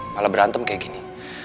malah berantem kayak gini